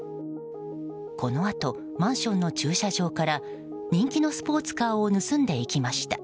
このあとマンションの駐車場から人気のスポーツカーを盗んでいきました。